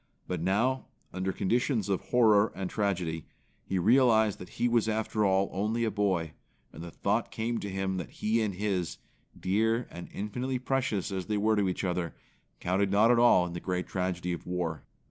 But now, under conditions of horror and tragedy, he realized that he was after all only a boy; and the thought came to him that he and his, dear and infinitely precious as they were to each other, counted not at all in the great tragedy of war.